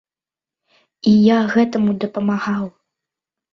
І я гэтаму дапамагаў.